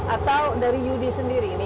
atau dari yudi sendiri